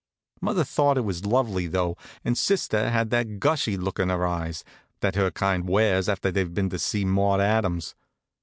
Mother thought it was lovely, though, and sister had that gushy look in her eyes that her kind wears after they've been to see Maude Adams.